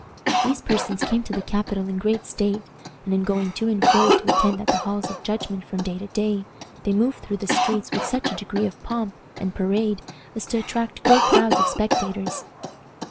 These persons came to the capital in great state, and, in going to and fro to attend at the halls of judgment from day to day, they moved through the streets with such a degree of pomp and parade as to attract great crowds of spectators.